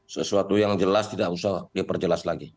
sesuatu yang jelas tidak usah diperjelas lagi